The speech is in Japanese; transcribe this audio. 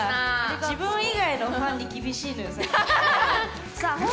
自分以外のファンに厳しいのよ最近。